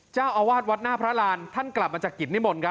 เจ้าอาวาสวัดหน้าพระรานท่านกลับมาจากกิจนิมนต์ครับ